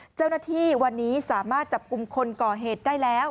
เจ้าหน้าที่วันนี้สามารถจับกลุ่มคนก่อเหตุได้แล้ว